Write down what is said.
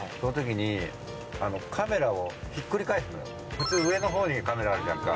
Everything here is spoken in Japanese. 普通、上の方にカメラあるじゃんか。